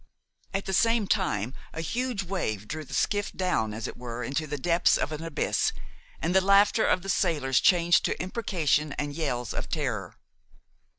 At the same time a huge wave drew the skiff down as it were into the depths of an abyss, and the laughter of the sailors changed to imprecations and yells of terror.